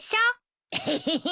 エヘヘヘ。